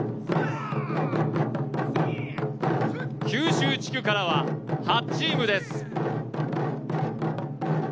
九州地区からは８チームです。